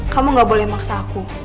kamu gak boleh memaksa aku